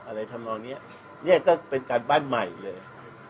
ทำนองนี้เนี่ยก็เป็นการบ้านใหม่เลย